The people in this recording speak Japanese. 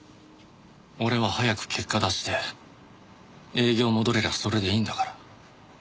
俺は早く結果出して営業戻れりゃそれでいいんだから。